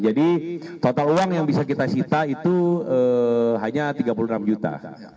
jadi total uang yang bisa kita cita itu hanya tiga puluh enam juta